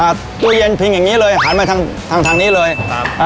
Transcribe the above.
ตู้เย็นพิงอย่างงี้เลยหันมาทางทางทางนี้เลยครับอ่า